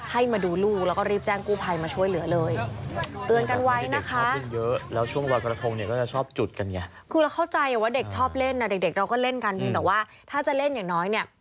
ให้มาดูลูกแล้วก็รีบแจ้งกู้ไพรมาช่วยเหลือเลย